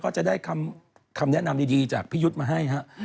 ก็จะได้คำแนะนำดีจากพี่ยุทธ์มาให้ฮะ